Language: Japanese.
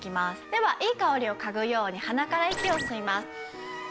ではいい香りを嗅ぐように鼻から息を吸います。